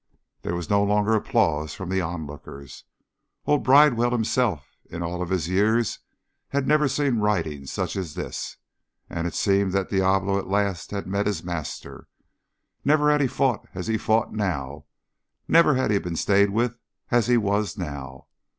There was no longer applause from the onlookers. Old Bridewell himself in all of his years had never seen riding such as this, and it seemed that Diablo at last had met his master. Never had he fought as he fought now; never had he been stayed with as he was now.